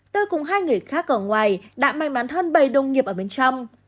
tôi cùng hai người khác ở ngoài đã may mắn hơn bày đồng nghiệp ở bên trong